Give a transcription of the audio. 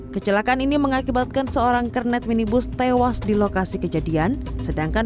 kecelakaan ini mengakibatkan seorang kernet minibus tewas di lokasi kejadian sedangkan